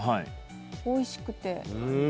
おいしくて。